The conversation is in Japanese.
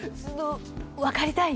分かりたい！